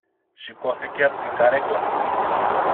Σηκώθηκε από την καρέκλα του